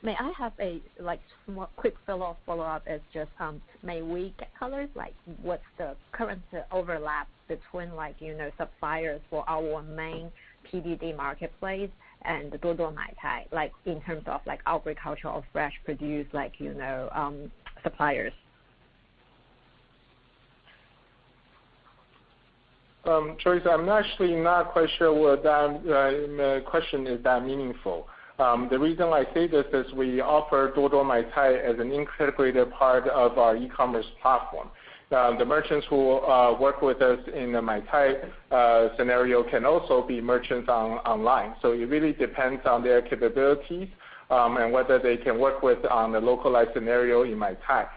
May I have a, like, small, quick follow-up as just, may we get colors, like what's the current overlap between, like, you know, suppliers for our main PDD marketplace and Duo Duo Maicai, like, in terms of, like, agricultural fresh produce, like, you know, suppliers? Joyce, I'm actually not quite sure whether that the question is that meaningful. The reason I say this is we offer Duo Duo Maicai as an integrated part of our e-commerce platform. The merchants who work with us in the Maicai scenario can also be merchants on-online. It really depends on their capabilities, and whether they can work with a localized scenario in Maicai.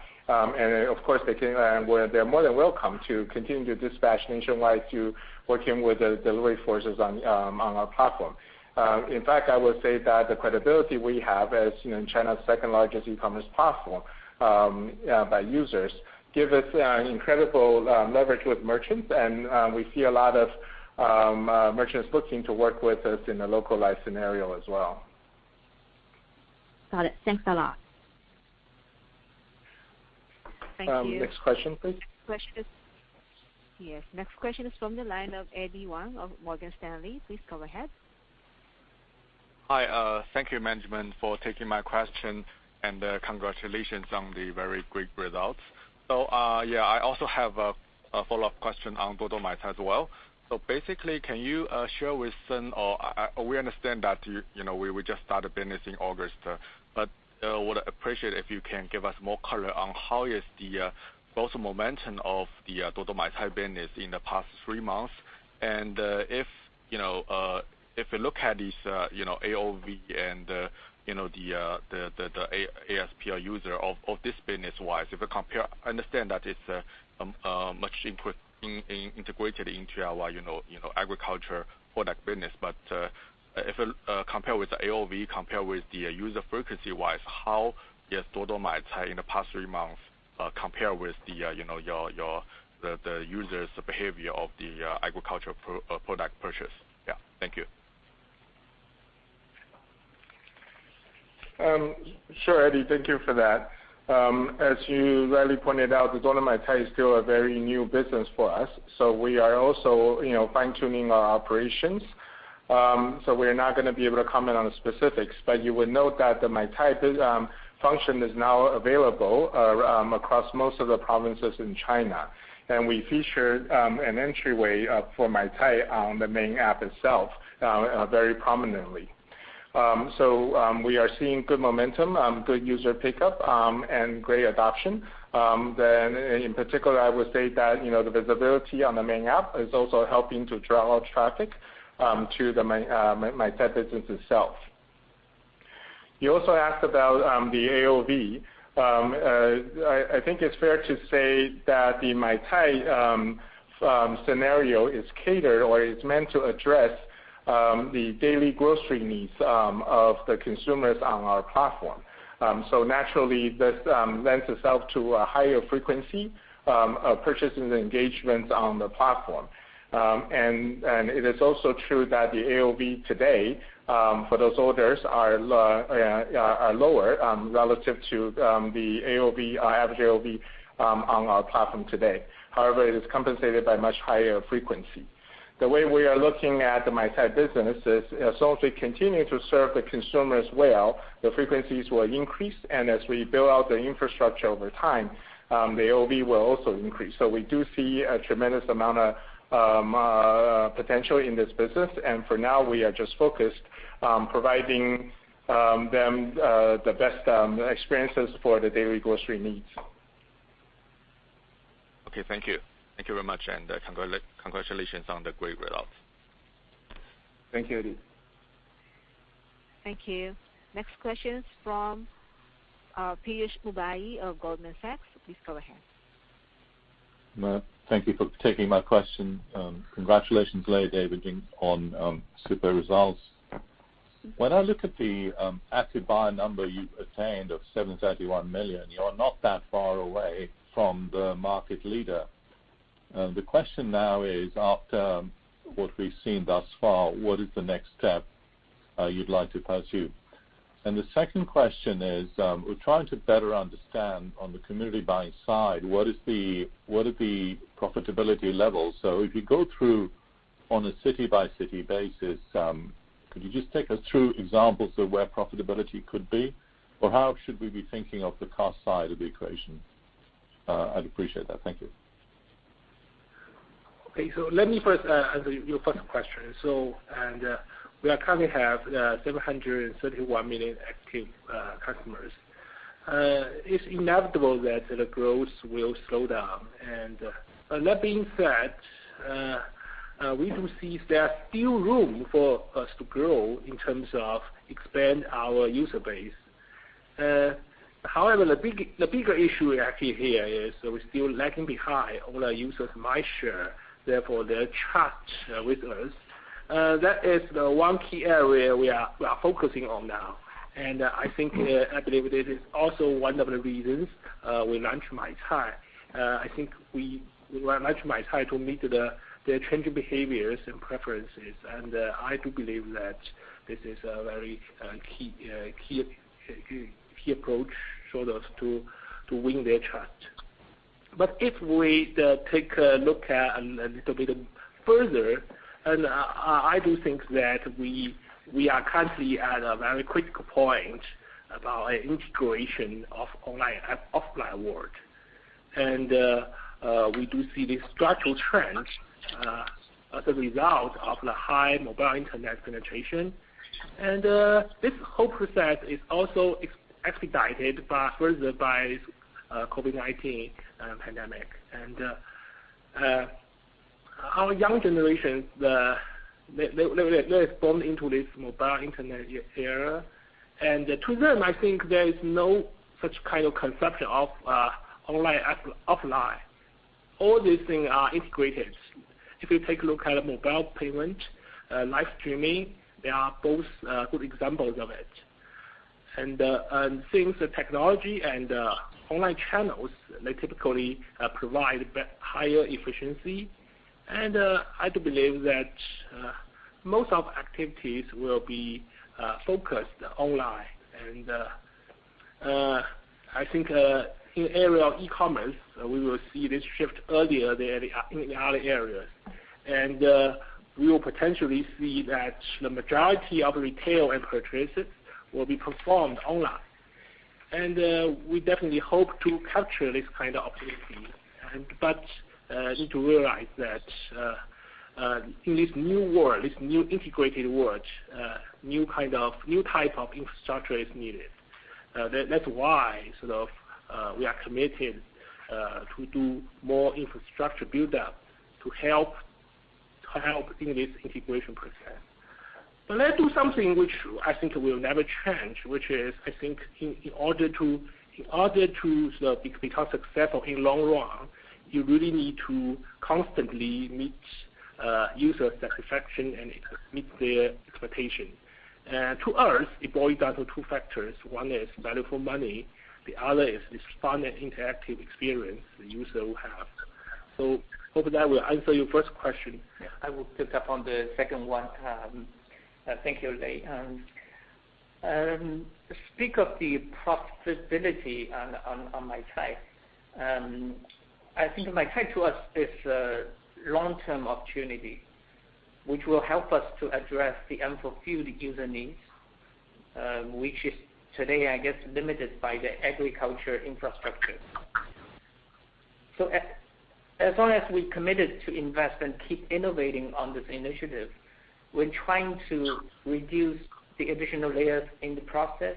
Of course, they can well, they're more than welcome to continue to dispatch nationwide to working with the delivery forces on our platform. In fact, I would say that the credibility we have as, you know, China's second-largest e-commerce platform, by users give us an incredible leverage with merchants, and we see a lot of merchants looking to work with us in a localized scenario as well. Got it. Thanks a lot. Thank you. Next question, please. Yes, next question is from the line of Eddy Wang of Morgan Stanley. Please go ahead. Hi, thank you, management, for taking my question, congratulations on the very great results. I also have a follow-up question on Duo Duo Maicai as well. Can you share with some or we understand that you just started business in August, would appreciate if you can give us more color on how is the both the momentum of the Duo Duo Maicai business in the past three months. If we look at this AOV and the ASPR user of this business-wise, if we compare I understand that it's much input integrated into our agriculture product business. If, compare with the AOV, compare with the user frequency-wise, how is Duo Duo Maicai in the past three months, compare with the, you know, your, the user's behavior of the agriculture product purchase? Yeah. Thank you. Sure, Eddy. Thank you for that. As you rightly pointed out, Duo Duo Maicai is still a very new business for us, so we are also, you know, fine-tuning our operations. We're not gonna be able to comment on the specifics, but you would note that the Maicai function is now available across most of the provinces in China. We featured an entryway for Maicai on the main app itself very prominently. We are seeing good momentum, good user pickup, and great adoption. In particular, I would say that, you know, the visibility on the main app is also helping to drive traffic to the Maicai business itself. You also asked about the AOV. I think it's fair to say that the Maicai scenario is catered or is meant to address the daily grocery needs of the consumers on our platform. Naturally, this lends itself to a higher frequency of purchases and engagements on the platform. It is also true that the AOV today for those orders are lower relative to the AOV average AOV on our platform today. However, it is compensated by much higher frequency. The way we are looking at the Maicai business is as long as we continue to serve the consumers well, the frequencies will increase, and as we build out the infrastructure over time, the AOV will also increase. We do see a tremendous amount of potential in this business, and for now, we are just focused on providing them the best experiences for the daily grocery needs. Okay, thank you. Thank you very much, and congratulations on the great results. Thank you, Eddy. Thank you. Next question is from Piyush Mubayi of Goldman Sachs. Please go ahead. Ma, thank you for taking my question. Congratulations, Lei, David, Ying, on super results. When I look at the active buyer number you've attained of 731 million, you are not that far away from the market leader. The question now is, after what we've seen thus far, what is the next step you'd like to pursue? The second question is, we're trying to better understand, on the community buying side, what are the profitability levels? If you go through on a city-by-city basis, could you just take us through examples of where profitability could be? How should we be thinking of the cost side of the equation? I'd appreciate that. Thank you. Okay, let me first answer your first question. we are currently have 731 million active customers. It's inevitable that the growth will slow down. That being said, we do see there are still room for us to grow in terms of expand our user base. However, the bigger issue actually here is that we're still lagging behind all our users' mind share, therefore, their trust with us. That is the one key area we are focusing on now. I think I believe this is also one of the reasons we launched Maicai. I think we launched Maicai to meet the changing behaviors and preferences. I do believe that this is a very key approach for us to win their trust. If we take a look at a little bit further, I do think that we are currently at a very critical point about an integration of online and offline world. We do see this structural trend as a result of the high mobile internet penetration. This whole process is also expedited by, further by this COVID-19 pandemic. Our young generations, they are born into this mobile internet era. To them, I think there is no such kind of conception of online, app, offline. All these things are integrated. If you take a look at mobile payment, live streaming, they are both good examples of it. Since the technology and online channels, they typically provide higher efficiency, I do believe that most of activities will be focused online. I think in area of e-commerce, we will see this shift earlier than in other areas. We will potentially see that the majority of retail and purchases will be performed online. We definitely hope to capture this kind of opportunity. Need to realize that in this new world, this new integrated world, new type of infrastructure is needed. That's why we are committed to do more infrastructure build-up to help in this integration process. Let do something which I think will never change, which is I think in order to become successful in long run, you really need to constantly meet user satisfaction and meet their expectation. To us, it boils down to two factors. One is value for money, the other is this fun and interactive experience the user will have. Hope that will answer your first question. Yeah, I will pick up on the second one. Thank you, Lei. Speak of the profitability on Maicai. I think Maicai to us is a long-term opportunity, which will help us to address the unfulfilled user needs, which is today, I guess, limited by the agriculture infrastructure. As long as we committed to invest and keep innovating on this initiative, we're trying to reduce the additional layers in the process,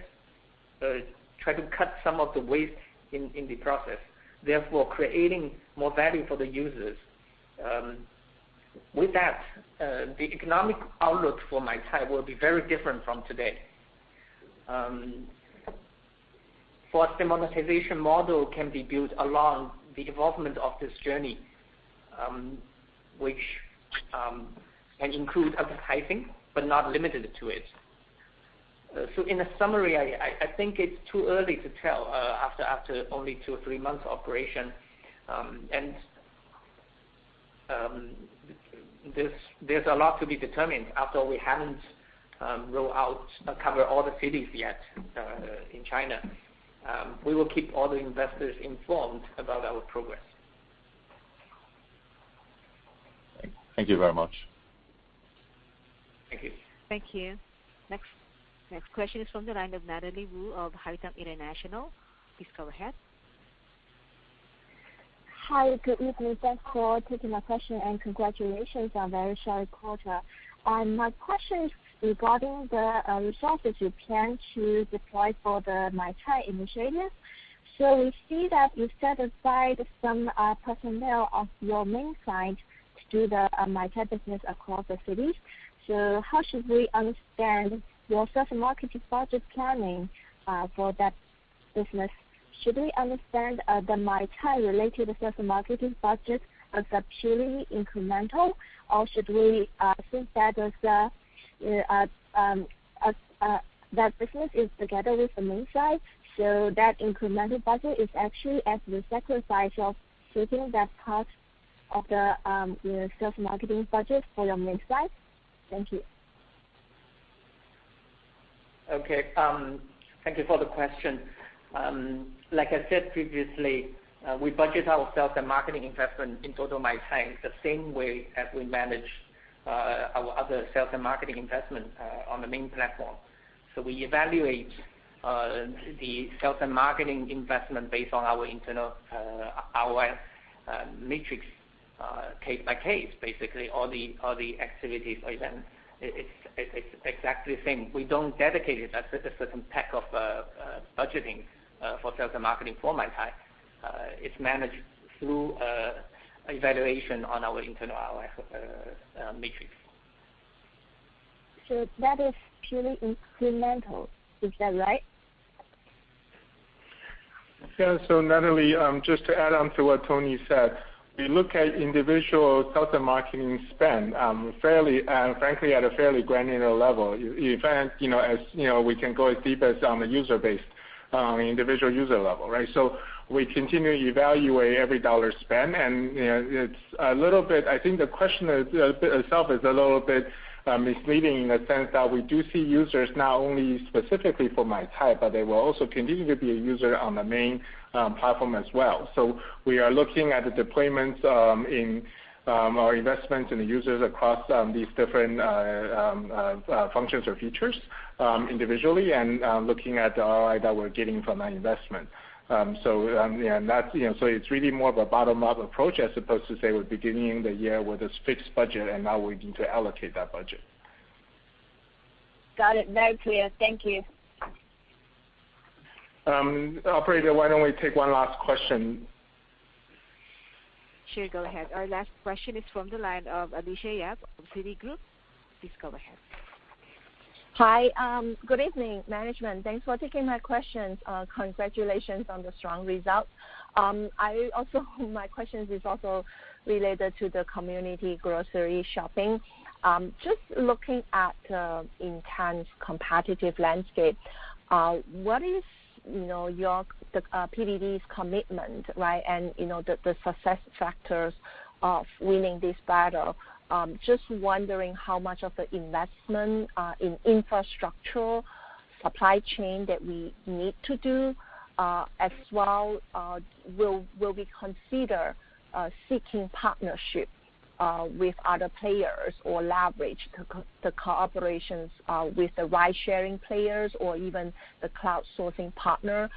try to cut some of the waste in the process, therefore creating more value for the users. With that, the economic outlook for Maicai will be very different from today. For the monetization model can be built along the development of this journey, which can include advertising, but not limited to it. In a summary, I think it's too early to tell after only two or three months operation. There's a lot to be determined after we haven't roll out cover all the cities yet in China. We will keep all the investors informed about our progress. Thank you very much. Thank you. Thank you. Next question is from the line of Natalie Wu of Haitong International. Please go ahead. Hi, good evening. Thanks for taking my question, and congratulations on very strong quarter. My question is regarding the resources you plan to deploy for the Maicai initiative. We see that you set aside some personnel of your main site to do the Maicai business across the cities. How should we understand your sales and marketing budget planning for that business? Should we understand the Maicai related sales and marketing budget as a purely incremental, or should we think that as a that business is together with the main site, so that incremental budget is actually at the sacrifice of taking that part of the, you know, sales and marketing budget for your main site? Thank you. Okay. Thank you for the question. Like I said previously, we budget our sales and marketing investment in total Maicai the same way as we manage our other sales and marketing investment on the main platform. We evaluate the sales and marketing investment based on our internal ROI metrics case by case. Basically, all the activities or events, it's exactly the same. We don't dedicate a certain pack of budgeting for sales and marketing for Maicai. It's managed through evaluation on our internal ROI metrics. That is purely incremental. Is that right? Yeah. Natalie, just to add on to what Tony said, we look at individual sales and marketing spend, fairly and frankly, at a fairly granular level. In fact, you know, as you know, we can go as deep as on the user base, on the individual user level, right? We continue to evaluate every dollar spent. You know, it's a little bit I think the question itself is a little bit misleading in the sense that we do see users not only specifically for Maicai, but they will also continue to be a user on the main platform as well. We are looking at the deployments in our investments in the users across these different functions or features individually and looking at the ROI that we're getting from that investment. You know, it's really more of a bottom-up approach as opposed to, say, we're beginning the year with this fixed budget and now we need to allocate that budget. Got it. Very clear. Thank you. Operator, why don't we take one last question? Sure, go ahead. Our last question is from the line of Alicia Yap of Citigroup. Please go ahead. Hi. Good evening, management. Thanks for taking my questions. Congratulations on the strong results. My question is also related to the community grocery shopping. Just looking at intense competitive landscape, what is your PDD's commitment, and the success factors of winning this battle? Just wondering how much of the investment in infrastructure supply chain that we need to do. As well, will we consider seeking partnership with other players or leverage the cooperations with the ridesharing players or even the crowdsourcing partner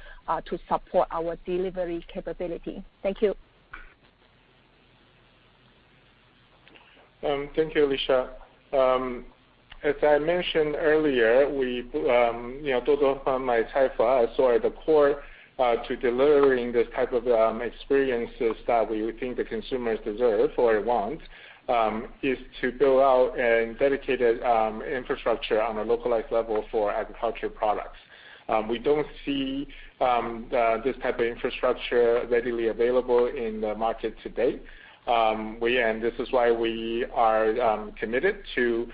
to support our delivery capability? Thank you. Thank you, Alicia. As I mentioned earlier, we, you know, Pinduoduo from Maicai, for us or the core, to delivering this type of experiences that we think the consumers deserve or want, is to build out a dedicated infrastructure on a localized level for agriculture products. We don't see this type of infrastructure readily available in the market to date. This is why we are committed to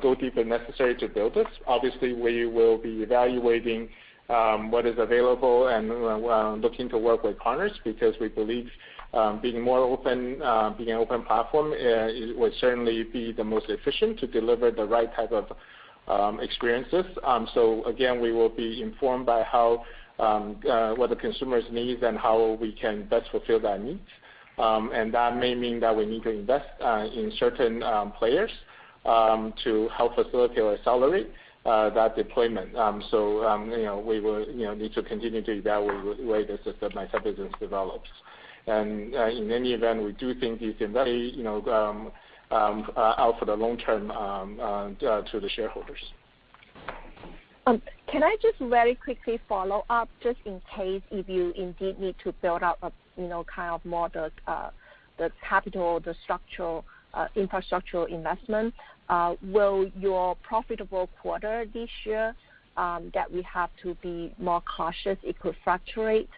go deep and necessary to build this. Obviously, we will be evaluating what is available and looking to work with partners because we believe being more open, being an open platform, will certainly be the most efficient to deliver the right type of experiences. Again, we will be informed by how what the consumers need and how we can best fulfill that need. That may mean that we need to invest in certain players to help facilitate or accelerate that deployment. You know, we will, you know, need to continue to evaluate the way the system Maicai business develops. In any event, we do think this can very, you know, out for the long term to the shareholders. Can I just very quickly follow up, just in case if you indeed need to build out a, you know, kind of more the capital, the structural, infrastructural investment, will your profitable quarter this year, that we have to be more cautious it could fluctuate,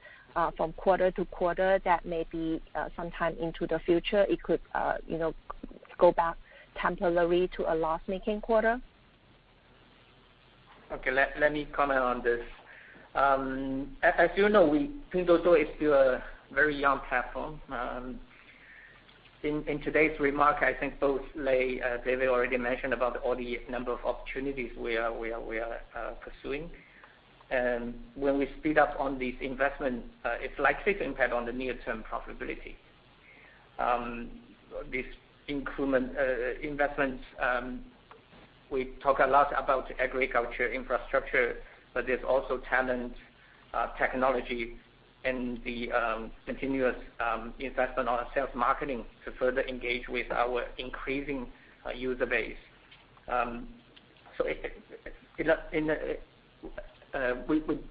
from quarter to quarter, that maybe, sometime into the future it could, you know, go back temporarily to a loss-making quarter? Okay. Let me comment on this. As you know, Pinduoduo is still a very young platform. In today's remark, I think both Lei, David already mentioned about all the number of opportunities we are pursuing. When we speed up on these investment, it's likely to impact on the near-term profitability. This increment investment, we talk a lot about agriculture infrastructure, but there's also talent, technology and the continuous investment on sales marketing to further engage with our increasing user base.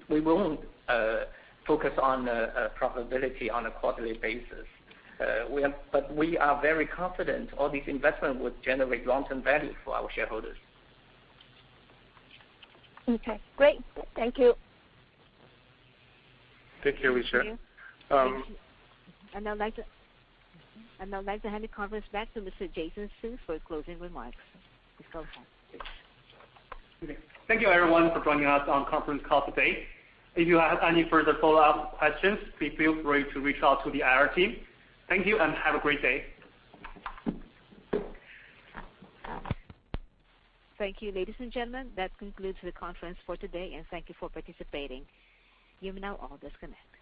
We won't focus on profitability on a quarterly basis. We are very confident all these investment would generate long-term value for our shareholders. Okay, great. Thank you. Thank you, Alicia. Thank you. Um- I'd now like to hand the conference back to Mr. Jiazhen Zhao for closing remarks. Please go ahead. Okay. Thank you everyone for joining us on conference call today. If you have any further follow-up questions, please feel free to reach out to the IR team. Thank you, and have a great day. Thank you, ladies and gentlemen. That concludes the conference for today, and thank you for participating. You may now all disconnect.